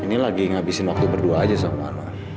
ini lagi ngabisin waktu berdua aja sama anak